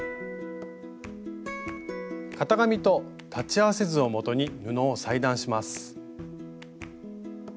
型紙と裁ち合わせ図をもとに布を裁断します。